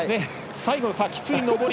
最後のきつい上り。